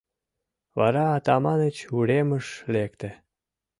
Вара Атаманыч уремыш лекте.